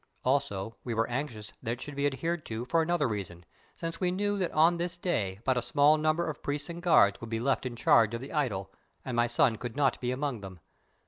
Also, we were anxious that it should be adhered to for another reason, since we knew that on this day but a small number of priests and guards would be left in charge of the idol, and my son could not be among them.